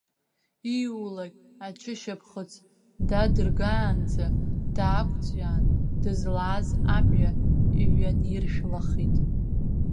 Ииулак, аҽышьапхыц дадыргаанӡа, даақәҵәиаан, дызлааз амҩа иҩаниршәлахит.